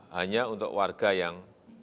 hanya untuk warga yang